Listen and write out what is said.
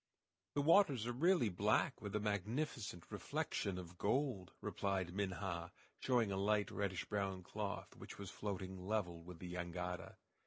"The waters are really black with a magnificent reflection of gold," replied Minha, showing a light, reddish brown cloth, which was floating level with the jangada.